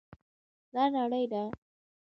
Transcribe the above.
دا نری دی